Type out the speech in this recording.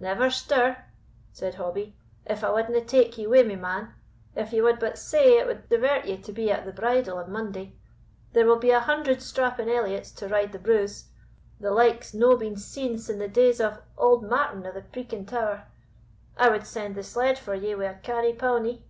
"Never stir," said Hobbie, "if I wadna take you wi' me, man, if ye wad but say it wad divert ye to be at the bridal on Monday. There will be a hundred strapping Elliots to ride the brouze the like's no been seen sin' the days of auld Martin of the Preakin tower I wad send the sled for ye wi' a canny powny."